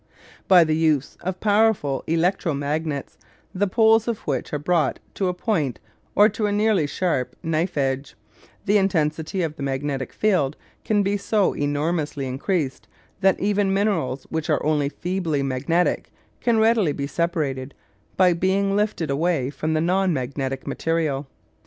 By the use of powerful electro magnets, the poles of which are brought to a point or to a nearly sharp knife edge, the intensity of the magnetic field can be so enormously increased that even minerals which are only feebly magnetic can readily be separated by being lifted away from the non magnetic material.